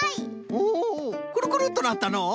おおクルクルッとなったのう。